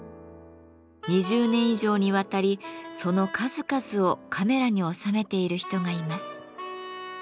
２０年以上にわたりその数々をカメラに収めている人がいます。